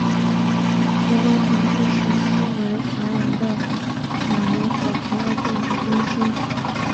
罗马统治时期为繁荣的养牛和葡萄种植中心。